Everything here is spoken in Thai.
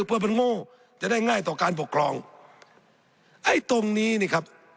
เพื่อเป็นโง่จะได้ง่ายต่อการปกครองไอ้ตรงนี้นี่ครับ